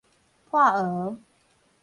破蚵